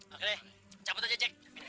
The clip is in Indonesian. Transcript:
oke cabut aja cik